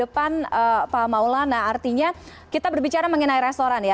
pak maula nah artinya kita berbicara mengenai restoran ya